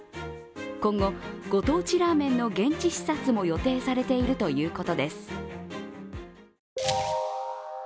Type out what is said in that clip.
今後、ご当地ラーメンの現地視察も予定されているということです。